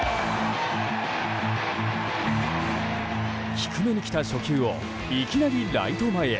低めに来た初球をいきなりライト前へ。